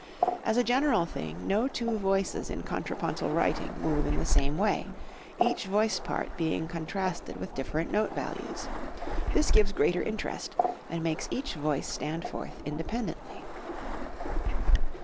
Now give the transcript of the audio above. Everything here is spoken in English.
As a general thing no two voices in contrapuntal writing move in the same way, each voice part being contrasted with different note values. This gives greater interest and makes each voice stand forth independently.